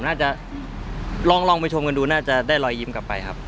น่าจะลองไปชมกันดูน่าจะได้รอยยิ้มกลับไปครับ